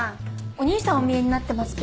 お兄さんおみえになってますけど。